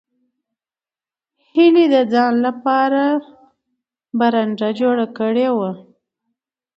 هیلې د ځان لپاره برنډه جوړه کړې وه